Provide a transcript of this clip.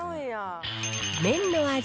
麺の味